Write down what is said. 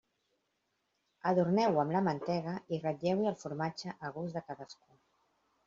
Adorneu-ho amb la mantega i ratlleu-hi el formatge a gust de cadascú.